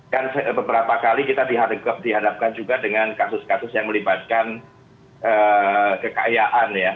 kan beberapa kali kita dihadapkan juga dengan kasus kasus yang melibatkan kekayaan ya